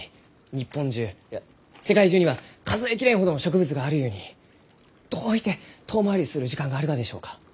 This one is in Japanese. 日本中いや世界中には数え切れんほどの植物があるゆうにどういて遠回りする時間があるがでしょうか？